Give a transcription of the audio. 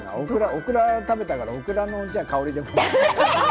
オクラ食べたから、オクラの香りでも？